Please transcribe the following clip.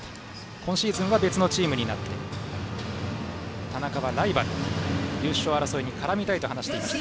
今シーズンは別のチームになって田中はライバルで優勝争いに絡みたいと話しています。